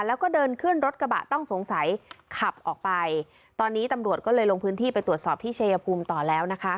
แล้วก็เดินขึ้นรถกระบะต้องสงสัยขับออกไปตอนนี้ตำรวจก็เลยลงพื้นที่ไปตรวจสอบที่ชัยภูมิต่อแล้วนะคะ